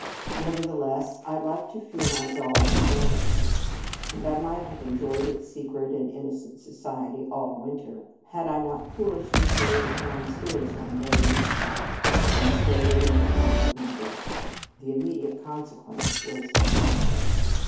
Nevertheless, I liked to feel my doll in bed with me, and I might have 171 In Our Convent Days enjoyed its secret and innocent society all winter, had I not foolishly carried it downstairs one day in my pocket, and stowed it in a corner of my desk. The immediate consequence was de tection.